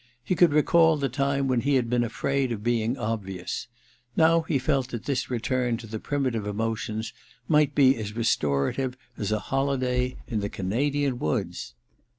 He could recall the time when he had been afraid of being obvious : now he felt that this return to the primitive emotions might be as restorative as a holiday in the Canadian woods.